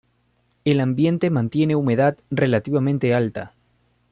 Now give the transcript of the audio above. El ambiente mantiene humedad relativamente alta.